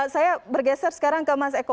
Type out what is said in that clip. saya bergeser sekarang ke mas eko